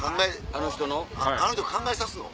あの人考えさすの？